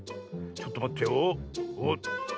ちょっとまってよ。